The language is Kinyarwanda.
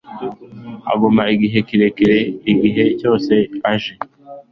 aguma igihe kirekire igihe cyose aje